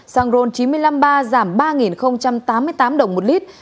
xăng ron chín mươi năm a giảm ba tám mươi tám đồng một lít